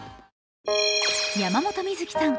山本美月さん